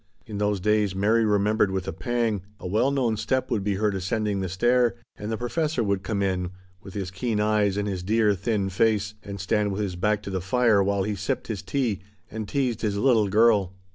And always, when he was at home, a well known step would be heard ascending the stair, and the professor would come in, Mary remembered, with his keen eyes and his dear, thin face, and stand with his back to the fire while he sipped his tea and teased his " little girl."